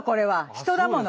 人だもの。